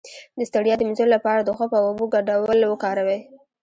د ستړیا د مینځلو لپاره د خوب او اوبو ګډول وکاروئ